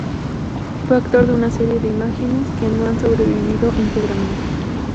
Fue autor de una serie de "Imágenes" que no han sobrevivido íntegramente.